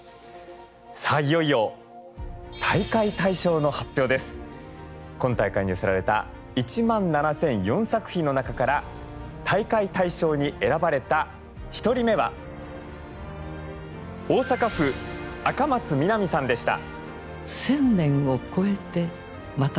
さあいよいよ今大会に寄せられた１７，００４作品の中から大会大賞に選ばれた１人目は大阪府赤松みなみさんでした。